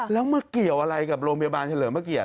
แล้วมาเกี่ยวอะไรกับโรงพยาบาลเฉลิมพระเกียร